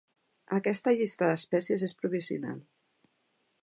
Aquesta llista d'espècies és provisional.